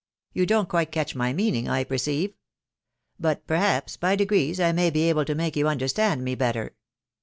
You don't quite catch my meaning, I perceive ; but perhaps, by degrees, ,1 may be able to make you understand me better.